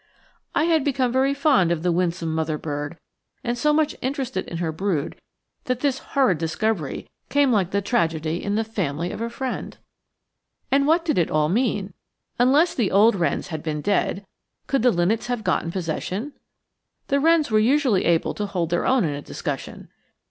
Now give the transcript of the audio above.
] I had become very fond of the winsome mother bird, and so much interested in her brood that this horrid discovery came like a tragedy in the family of a friend. And what did it all mean? Unless the old wrens had been dead, could the linnets have gotten possession? The wrens were usually able to hold their own in a discussion.